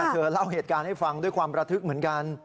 เธอเล่าเหตุการณ์ให้ฟังด้วยความระทึกเหมือนกัน